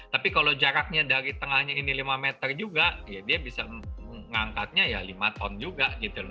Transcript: tapi kalau jaraknya dari tengahnya ini lima meter juga ya dia bisa mengangkatnya ya lima ton juga gitu loh